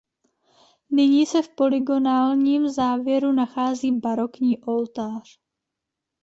Nyní se v polygonálním závěru nachází barokní oltář.